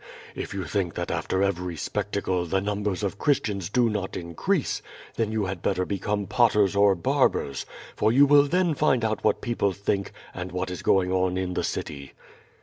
If you think that after every spectacle the num bers of Christians do not increase, then you had better become potters or barbers, for you will then find out what people think and what is going on in the city."